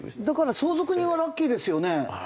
だから相続人はラッキーですよね。